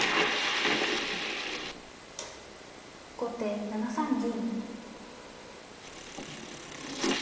後手７三銀。